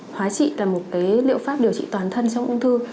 hóa trị là một liệu pháp điều trị toàn thân trong ung thư